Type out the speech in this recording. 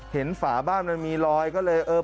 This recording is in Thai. เห็นฝาบ้านมันมีรอยก็เลย